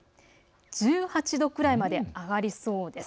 １８度くらいまで上がりそうです。